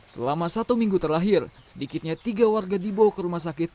selama satu minggu terlahir sedikitnya tiga warga dibawa ke rumah sakit